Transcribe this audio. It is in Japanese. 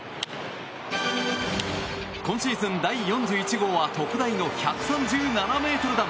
今シーズン第４１号は特大の１３７ｍ弾。